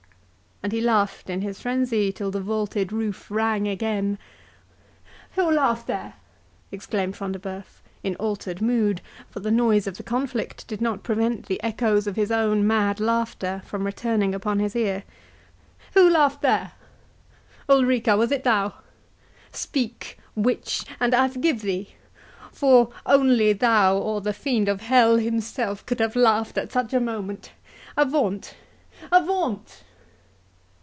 and he laughed in his frenzy till the vaulted roof rang again. "Who laughed there?" exclaimed Front de Bœuf, in altered mood, for the noise of the conflict did not prevent the echoes of his own mad laughter from returning upon his ear—"who laughed there?—Ulrica, was it thou?—Speak, witch, and I forgive thee—for, only thou or the fiend of hell himself could have laughed at such a moment. Avaunt—avaunt!